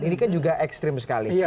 ini kan juga ekstrim sekali